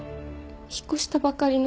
引っ越したばかりの。